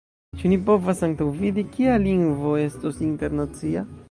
Ĉu ni povas antaŭvidi, kia lingvo estos internacia?